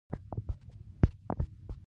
توپک له کوڅو وینه بهوي.